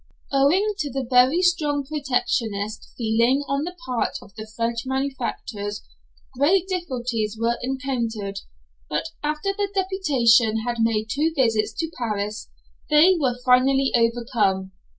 Owing to the very strong protectionist feeling on the part of the French manufacturers, great difficulties were encountered; but, after the deputation had made two visits to Paris, they were finally overcome.